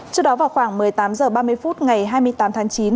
trước đó vào khoảng một mươi tám h ba mươi phút ngày hai mươi tám tháng chín